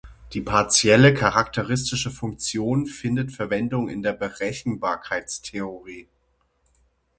Die partielle charakteristische Funktion findet Verwendung in der Berechenbarkeitstheorie.